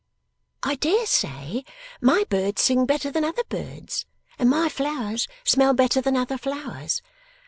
'I dare say my birds sing better than other birds, and my flowers smell better than other flowers.